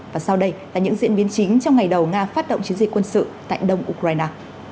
và sau đây là những diễn biến chính trong ngày đầu nga phát động chiến dịch quân sự tại đông ukraine